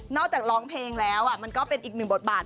จากร้องเพลงแล้วมันก็เป็นอีกหนึ่งบทบาท